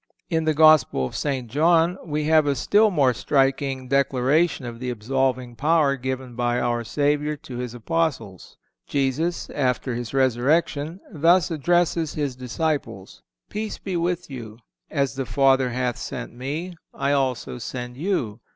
In the Gospel of St. John we have a still more striking declaration of the absolving power given by our Savior to His Apostles. Jesus, after His resurrection, thus addresses His disciples: "Peace be to you. As the Father hath sent Me, I also send you....